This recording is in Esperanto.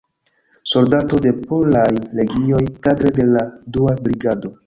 Soldato de Polaj Legioj kadre de la Dua Brigado.